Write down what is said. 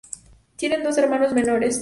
Tiene dos hermanos menores.